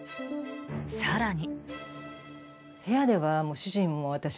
更に。